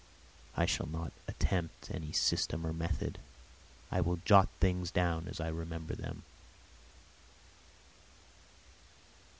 I shall not attempt any system or method. I will jot things down as I remember them.